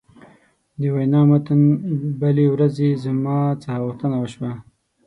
د وینا متن: بلې ورځې زما څخه غوښتنه وشوه.